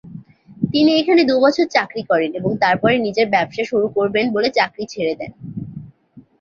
তিনি এখানে দু'বছর চাকরি করেন এবং তারপরে নিজের ব্যবসা শুরু করবেন বলে চাকরি ছেড়ে দেন।